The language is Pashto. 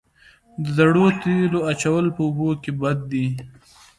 د زړو تیلو اچول په اوبو کې بد دي؟